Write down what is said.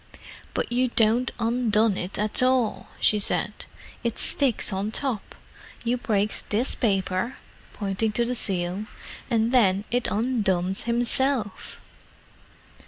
"But you don't undone it 'tall," she said. "It sticks on top. You breaks this paper"—pointing to the seal—"and then it undones himself."